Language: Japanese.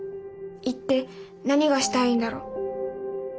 行って何がしたいんだろう？